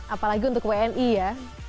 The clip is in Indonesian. apalagi untuk wni ya